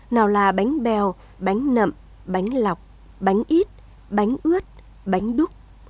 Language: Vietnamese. nào là bánh bèo bánh nậm bánh lọc bánh ít bánh ướt bánh đúc